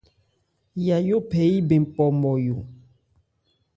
Yayó phɛ yí bɛn phɔ Nmɔyo.